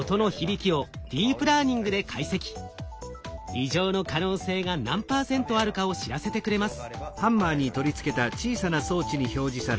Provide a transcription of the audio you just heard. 異常の可能性が何％あるかを知らせてくれます。